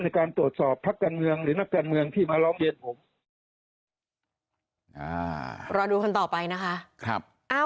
ในการตรวจสอบพักการเมืองหรือนักการเมืองที่มาร้องเรียนผมรอดูกันต่อไปนะคะ